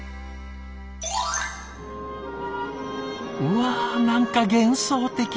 うわ何か幻想的！